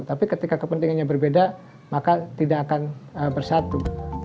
tapi ketika kepentingannya berbeda maka tidak akan bersatu